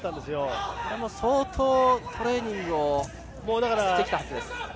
相当、トレーニングをしてきたはずです。